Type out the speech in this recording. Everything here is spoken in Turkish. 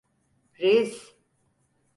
Reis!